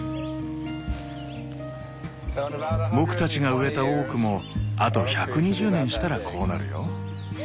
僕たちが植えたオークもあと１２０年したらこうなるよ。